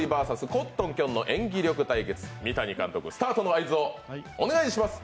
コットンきょんの演技対決、三谷監督、スタートの合図をお願いします。